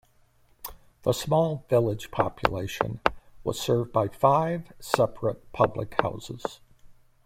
The small village population was served by five separate public houses.